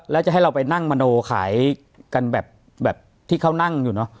แล้วจะให้เราไปนั่งมโนขายกันแบบที่เขานั่งอยู่เนอะ